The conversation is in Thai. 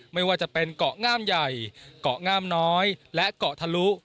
ไม่ว่าจะเป็นเกาะงามใหญ่เกาะงามน้อยและเกาะทะลุ